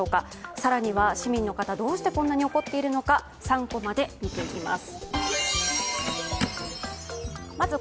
更には、市民の方、どうしてこんなに怒っているのか「３コマ」で見ていきます。